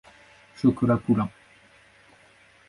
Chocolat Poulain.